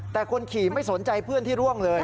แต่คนขี่ไม่สนใจเพื่อนที่ร่วงเลย